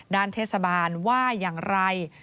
ด้านเทศบาลว่าอย่างไร